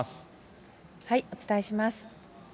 お伝えします。